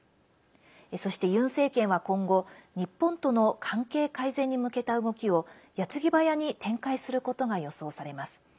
そして、ユン政権は今後日本との関係改善に向けた動きをやつぎばやに展開することが予想されます。